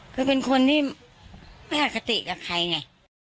เพราะเป็นคนที่ป้าทคติกับใครไง